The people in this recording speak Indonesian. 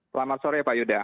selamat sore pak yuda